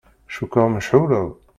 Cukkeɣ mecɣuleḍ.